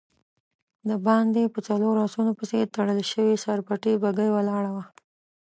د باندی په څلورو آسونو پسې تړل شوې سر پټې بګۍ ولاړه وه.